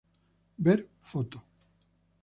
Ver foto.